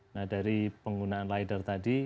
nah dari penggunaan rider tadi